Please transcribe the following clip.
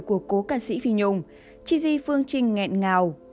của cô ca sĩ phi nhung chi di phương trình nghẹn ngào